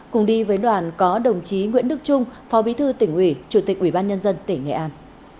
cùng đi với đoàn có đồng chí nguyễn đức trung phó bí thư tỉnh ủy chủ tịch ủy ban nhân dân tỉnh nghệ an